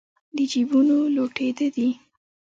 د جېبونو لوټېده دي